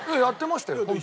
やってましたよ